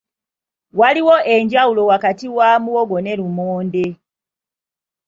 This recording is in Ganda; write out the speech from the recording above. Waliwo enjawulo wakati wa muwogo ne lumonde